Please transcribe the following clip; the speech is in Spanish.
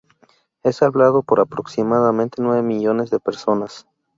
Es hablado por aproximadamente nueve millones de personas.